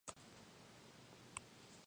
Ferguson has had many running gags.